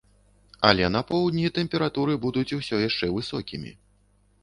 Але на поўдні тэмпературы будуць усё яшчэ высокімі.